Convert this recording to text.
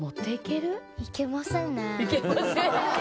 いけませんね。